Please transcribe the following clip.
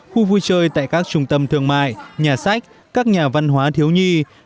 khu vui chơi tại các trung tâm thương mại nhà sách các nhà văn hóa thiếu nhi